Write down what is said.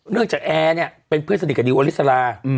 เรื่องจากแอร์เนี่ยเป็นเพื่อนสนิทกับดิวอลิสลา